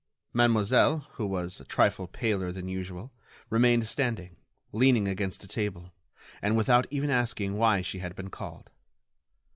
Mademoiselle, who was a trifle paler than usual, remained standing, leaning against a table, and without even asking why she had been called.